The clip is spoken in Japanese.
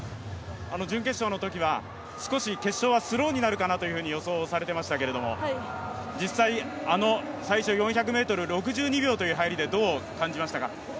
準決勝の時は少し決勝はスローになるかなと予想されてましたけども実際、あの最初４００ｍ６２秒という入りでどう感じましたか？